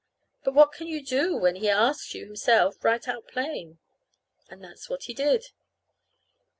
But what can you do when he asks you himself, right out plain? And that's what he did.